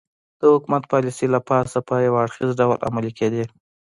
د حکومت پالیسۍ له پاسه په یو اړخیز ډول عملي کېدې